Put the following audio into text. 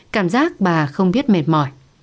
cảm giác bà không biết mệt mỏi